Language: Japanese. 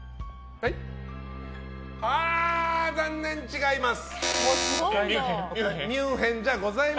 残念、違います。